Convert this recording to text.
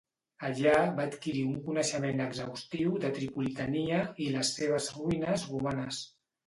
Allà va adquirir un coneixement exhaustiu de Tripolitania i les seves ruïnes romanes.